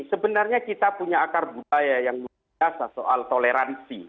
sebenarnya kita punya akar budaya yang luar biasa soal toleransi